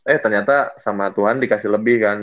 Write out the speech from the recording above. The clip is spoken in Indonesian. eh ternyata sama tuhan dikasih lebih kan